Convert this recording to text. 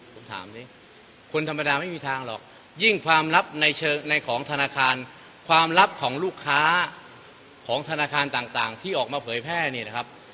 ผมถามสิคนธรรมดาไม่มีทางหรอกยิ่งความลับในเชิงในของธนาคารความลับของลูกค้าของธนาคารต่างที่ออกมาเผยแพร่เนี่ยนะครับ